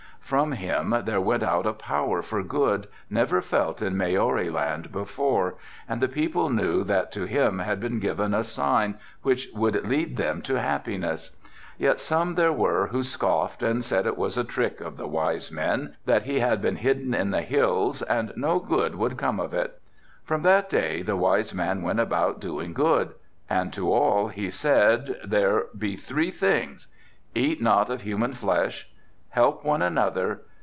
From him there went out a power for good never felt in Maori land before, and the people knew that to him had been given a sign which would lead them to happiness. Yet some there were who scoffed and said it was a trick of the wise men, that he had been hidden in the hills and no good would come of it. From that day the wise man went about doing good and to all he said, there be three things: "Eat not of human flesh." "Help one another."